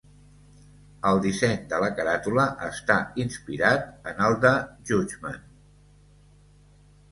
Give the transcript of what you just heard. El disseny de la caràtula està inspirat en el de Judgment!